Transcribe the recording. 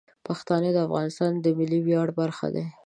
پښتانه د افغانستان د ملي ویاړ برخه دي.